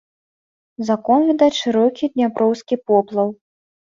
З акон відаць шырокі дняпроўскі поплаў.